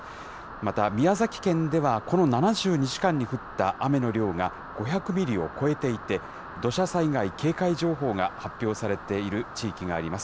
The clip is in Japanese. また、宮崎県ではこの７２時間に降った雨の量が５００ミリを超えていて、土砂災害警戒情報が発表されている地域があります。